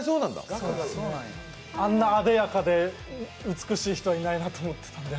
あんなあでやかで美しい人いないなと思ってたんで。